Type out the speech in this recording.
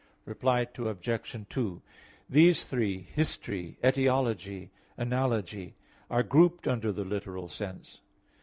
Reply Obj. 2: These three history, etiology, analogy are grouped under the literal sense.